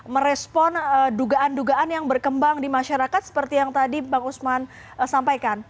merespon dugaan dugaan yang berkembang di masyarakat seperti yang tadi bang usman sampaikan